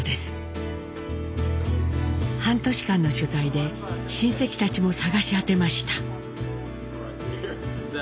半年間の取材で親戚たちも捜し当てました。